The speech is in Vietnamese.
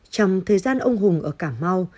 trong thời gian ông hùng ở cà mau